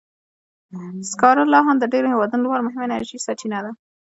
سکاره لا هم د ډېرو هېوادونو لپاره مهمه انرژي سرچینه ده.